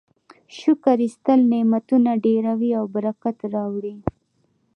شکر ایستل نعمتونه ډیروي او برکت راوړي.